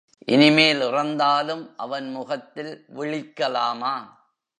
இனிமேல் இறந்தாலும் அவன் முகத்தில் விழிக்கலாமா?